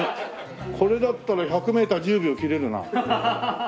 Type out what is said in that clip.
これだったら１００メーター１０秒切れるな。